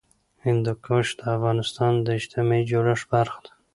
هندوکش د افغانستان د اجتماعي جوړښت برخه ده.